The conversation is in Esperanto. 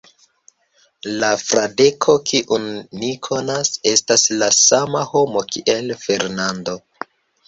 La Fradeko, kiun ni konas, estas la sama homo kiel Fernando.